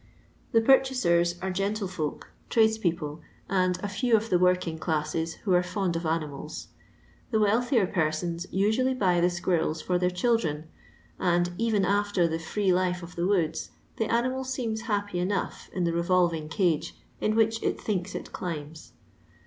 The purchatert are gentlefolk, tradetpeople, and a few of the working clattet who are fond of animalt. The wealthier pertont usually buy the tquirrelt for their children, and, even after the firee life of the woods, the animal teemt happy enough in the revolving cage, in which it thinkt it climbs."